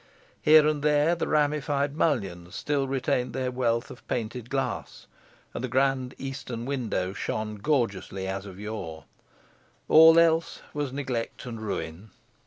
Here and there the ramified mullions still retained their wealth of painted glass, and the grand eastern window shone gorgeously as of yore. All else was neglect and ruin.